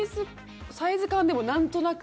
サイズ感はでも、なんとなく。